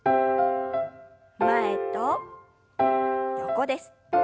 前と横です。